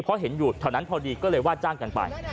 เพราะเห็นอยู่แถวนั้นพอดีก็เลยว่าจ้างกันไป